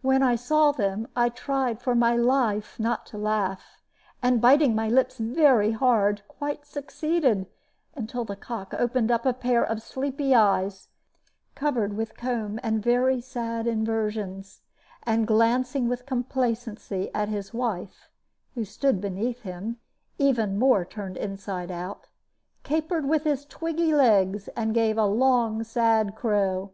When I saw them, I tried for my life not to laugh, and biting my lips very hard, quite succeeded, until the cock opened up a pair of sleepy eyes, covered with comb and very sad inversions, and glancing with complacency at his wife (who stood beneath him, even more turned inside out), capered with his twiggy legs, and gave a long, sad crow.